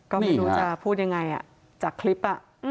ก็ไม่รู้จะพูดยังไงจากคลิป